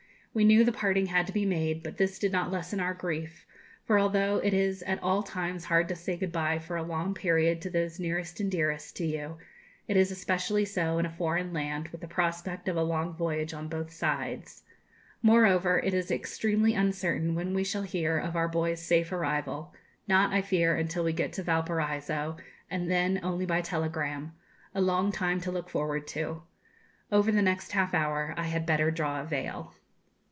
We knew the parting had to be made, but this did not lessen our grief: for although it is at all times hard to say good bye for a long period to those nearest and dearest to you, it is especially so in a foreign land, with the prospect of a long voyage on both sides. Moreover, it is extremely uncertain when we shall hear of our boy's safe arrival; not, I fear, until we get to Valparaiso, and then only by telegram a long time to look forward to. Over the next half hour I had better draw a veil.